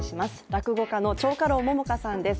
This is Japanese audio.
落語家の蝶花楼桃花さんです